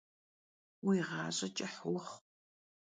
Vui ğaş'e ç'ıh vuxhu!